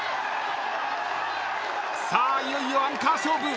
さあいよいよアンカー勝負。